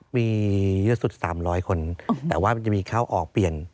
มีเยอะสุด๓๐๐คนแต่ว่ามันจะมีเข้าออกเปลี่ยน